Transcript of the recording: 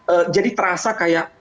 eh jadi terasa kayak